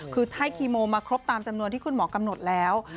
คือให้คีโมมาครบตามจำนวนที่คุณหมอกำหนดแล้ว